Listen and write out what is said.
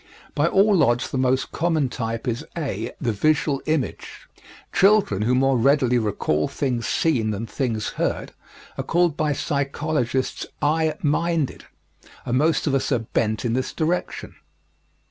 By all odds the most common type is, (a) the visual image. Children who more readily recall things seen than things heard are called by psychologists "eye minded," and most of us are bent in this direction.